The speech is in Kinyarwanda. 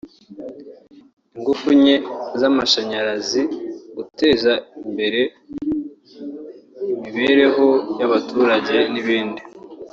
ingufu nke z’amashanyarazi guteza imbere imibereho y’abaturage n’ibindi